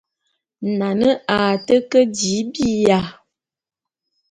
Nane a te ke jii biya.